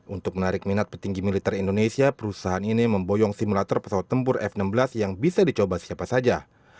untuk menarik minat petinggi militer indonesia perusahaan ini memboyong simulator pesawat tempur f enam belas yang bisa dicoba siapa saja